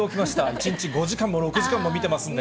１日５時間も６時間も見てますんで。